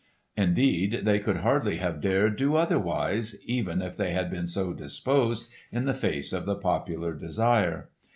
Indeed, they would hardly have dared do otherwise, even if they had been so disposed, in the face of the popular desire.